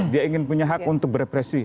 dia ingin punya hak untuk berpresi